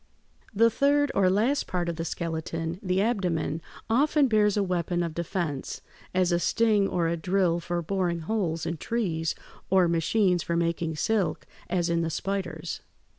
] The third or last part of the skeleton, the abdomen, often bears a weapon of defense, as a sting or a drill for boring holes in trees, or machines for making silk, as in the spiders.